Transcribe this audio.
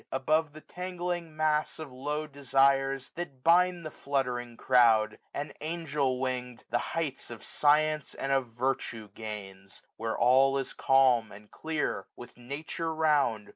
Above the tangling mass q£ low desires. That bind the fluttering crowd ; and^ angelwwing'd,. The heights of science and of virtue g^iins, ^740 Where all is calm and clear ; with Nature rounds .